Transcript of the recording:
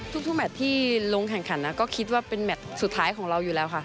ทุกแมทที่ลงแข่งขันก็คิดว่าเป็นแมทสุดท้ายของเราอยู่แล้วค่ะ